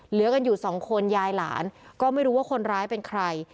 เหลือกันอยู่สองคนยายหลานก็ไม่รู้ว่าคนร้ายเป็นใคร